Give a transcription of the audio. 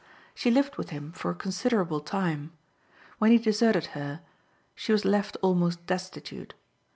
She lived with him for a considerable time. When he deserted her, she was left almost destitute.